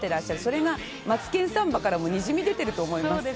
それがマツケンサンバからもにじみ出てると思います。